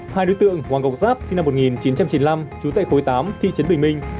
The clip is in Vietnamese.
hai đối tượng hoàng ngọc giáp sinh năm một nghìn chín trăm chín mươi năm trú tại khối tám thị trấn bình minh